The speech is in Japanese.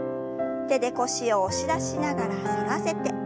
手で腰を押し出しながら反らせて。